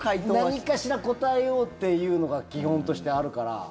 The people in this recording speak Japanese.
何かしら答えようというのが基本としてあるから。